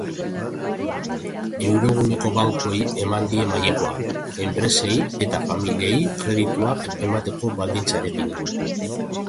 Euroguneko bankuei eman die mailegua, enpresei eta familiei kredituak emateko baldintzarekin.